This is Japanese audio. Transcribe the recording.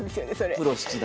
プロ七段。